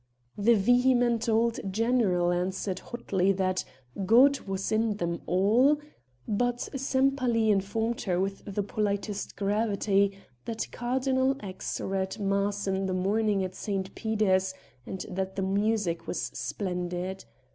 The vehement old general answered hotly that "God was in them all." But Sempaly informed her with the politest gravity that Cardinal X read mass in the morning at St. Peter's and that the music was splendid.